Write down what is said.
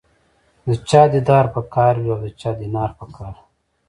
د چا دیدار په کار وي او د چا دینار په کار وي.